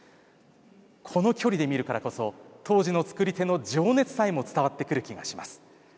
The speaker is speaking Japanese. この距離で見るからこそ当時の作り手の情熱さえも伝わってくる気がします。